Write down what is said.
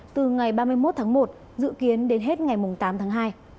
từ ngày ba mươi một tháng một dự kiến đến hết ngày tám tháng hai